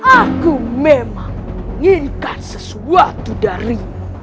aku memang inginkan sesuatu darimu